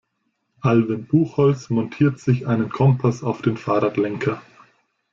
Alwin Buchholz montiert sich einen Kompass auf den Fahrradlenker.